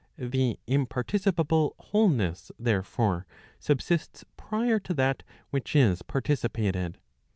The imparticipable wholeness, therefore, subsists prior to that which is participated.